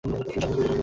আর এটাই ফাইনাল!